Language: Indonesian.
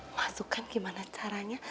masukan gimana caranya